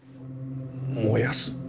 燃やす？